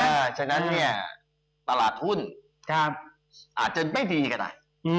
เพราะฉะนั้นเนี่ยตลาดหุ้นอาจจะไม่ดีก็ได้